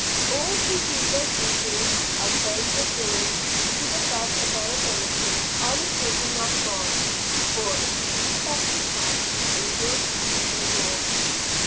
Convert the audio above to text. All who do their duty as they were doing, to the best of their ability, are the children of God; for, if we do the best we can, angels can do no more.